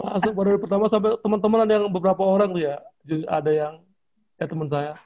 masuk baru pertama sampai temen temenan yang beberapa orang tuh ya ada yang kayak temen saya